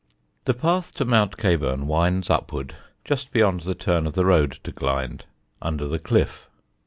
The path to Mount Caburn winds upward just beyond the turn of the road to Glynde, under the Cliffe.